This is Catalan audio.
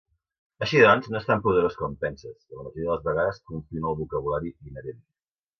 Així doncs, no és tan poderós com penses i la majoria de les vegades confio en el vocabulari inherent.